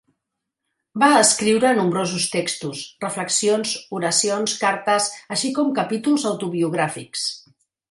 Va escriure nombrosos textos: reflexions, oracions, cartes, així com capítols autobiogràfics.